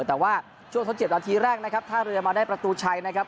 แต่ว่าช่วงทดเจ็บนาทีแรกนะครับท่าเรือมาได้ประตูชัยนะครับ